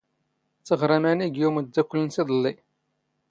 ⵜⵖⵔⴰ ⵎⵉⵏⴳ ⵉ ⵓⵎⴷⴷⴰⴽⴽⵍ ⵏⵏⵙ ⵉⴹⵍⵍⵉ.